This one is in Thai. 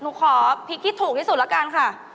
หนูขอพริกที่ถูกที่สุดละกันค่ะ